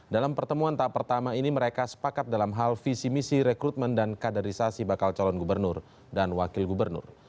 dalam pertemuan tahap pertama ini mereka sepakat dalam hal visi misi rekrutmen dan kaderisasi bakal calon gubernur dan wakil gubernur